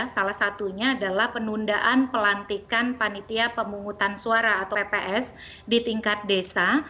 salah satunya adalah penundaan pelantikan panitia pemungutan suara atau pps di tingkat desa